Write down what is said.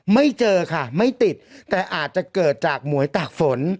ไม่เจอค่ะไม่ติดแต่อาจจะเกิดจากหมวยตากฝน